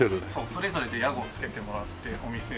それぞれで屋号を付けてもらってお店を。